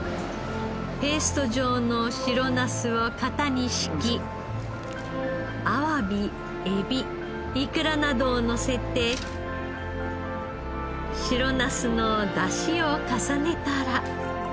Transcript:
ペースト状の白ナスを型に敷きアワビエビイクラなどをのせて白ナスのだしを重ねたら。